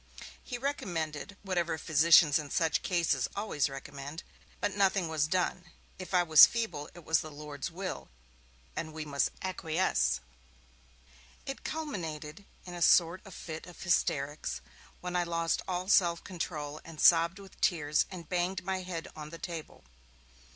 He recommended, whatever physicians in such cases always recommend, but nothing was done. If I was feeble it was the Lord's will, and we must acquiesce. It culminated in a sort of fit of hysterics, when I lost all self control, and sobbed with tears, and banged my head on the table.